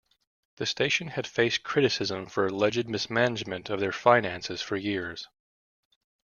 The station had faced criticism for alleged mismanagement of their finances for years.